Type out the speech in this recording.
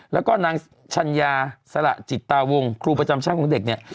แล้วก็นางชัญญาสละจิตตาวงครูประจำชั้นของเด็กเนี่ย